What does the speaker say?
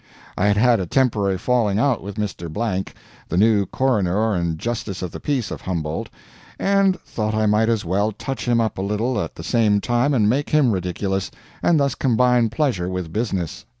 I had had a temporary falling out with Mr. , the new coroner and justice of the peace of Humboldt, and thought I might as well touch him up a little at the same time and make him ridiculous, and thus combine pleasure with business.